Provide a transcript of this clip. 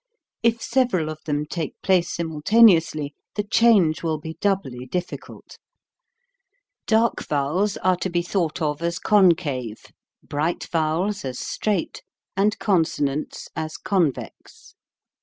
If several of them take place simul taneously, the change will be doubly difficult. Dark vowels are to be thought of as concave, bright vowels as straight, and consonants as convex.